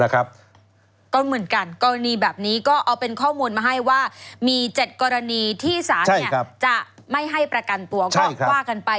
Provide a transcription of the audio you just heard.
ก็เหมือนกันกรณีแบบนี้ก็เอาเป็นข้อมูลมาให้ว่ามี๗กรณีที่ศาลจะไม่ให้ประกันตัวก็ว่ากันไป